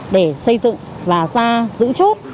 để xây dựng và ra giữ chốt